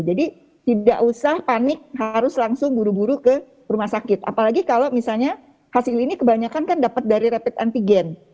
tidak usah panik harus langsung buru buru ke rumah sakit apalagi kalau misalnya hasil ini kebanyakan kan dapat dari rapid antigen